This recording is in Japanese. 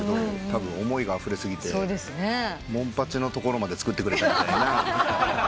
たぶん思いがあふれ過ぎてモンパチのところまで作ってくれたみたいな。